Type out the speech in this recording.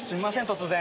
突然。